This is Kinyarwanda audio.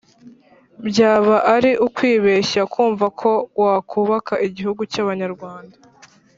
byaba ari ukwibeshya kumva ko wakubaka igihugu cy'abanyarwanda